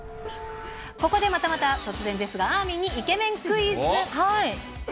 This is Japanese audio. ここでまたまた、突然ですが、あーみんにイケメンクイズ。